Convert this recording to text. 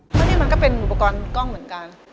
เพราะนี่มันก็เป็นอุปกรณ์กล้องเหมือนกัน